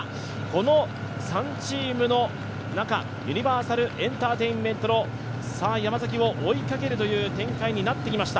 この３チームの中、ユニバーサルエンターテインメントの山崎を追いかけるという展開になってきました。